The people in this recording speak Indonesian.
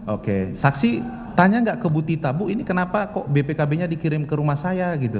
oke saksi tanya nggak ke bu tita bu ini kenapa kok bpkb nya dikirim ke rumah saya gitu